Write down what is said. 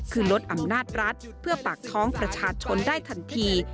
คือลดอำนาจรัฐเพื่อปากท้องประชาชนได้ทันที